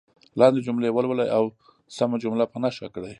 لاندې جملې ولولئ او سمه جمله په نښه کړئ.